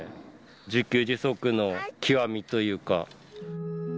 自給自足の極みというか。